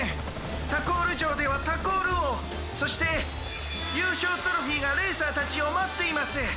タコールじょうではタコールおうそしてゆうしょうトロフィーがレーサーたちをまっています。